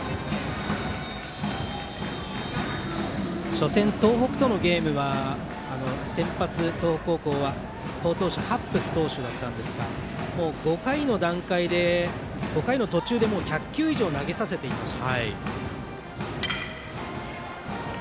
初戦、東北とのゲームは先発ハッブス投手だったんですが５回の段階で５回の途中で１００球以上投げさせていました。